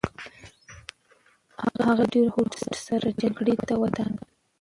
هغه په ډېر هوډ سره جګړې ته ودانګل.